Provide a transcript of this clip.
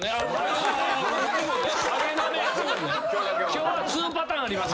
今日は２パターンありますからね。